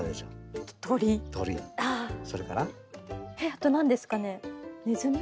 あと何ですかねネズミ？